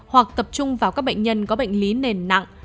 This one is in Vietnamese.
hoặc tập trung vào các bệnh nhân có bệnh lý nền nặng